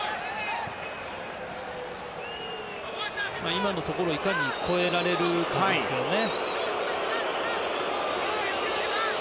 今のところをいかに越えられるかですね。